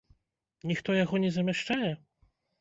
Ніхто яго не замяшчае?